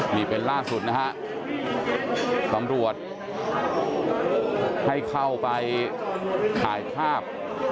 นี่เป็นล่าสุดนะฮะตำรวจให้เข้าไปถ่ายภาพ